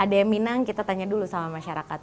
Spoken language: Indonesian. ada yang minang kita tanya dulu sama masyarakat